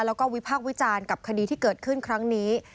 แล้วก็วิพากษ์วิจารณ์กับคดีที่เกิดขึ้นครั้งนี้